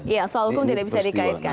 ya soal hukum tidak bisa dikaitkan